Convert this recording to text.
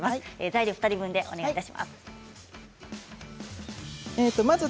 材料は２人分でお願いします。